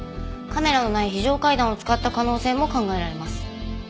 カメラのない非常階段を使った可能性も考えられます。